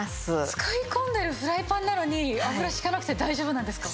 使い込んでるフライパンなのに油引かなくて大丈夫なんですか？